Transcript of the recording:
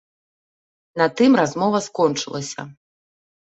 На тым размова скончылася.